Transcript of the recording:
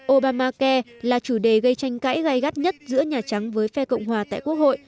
obamacai là chủ đề gây tranh cãi gai gắt nhất giữa nhà trắng với phe cộng hòa tại quốc hội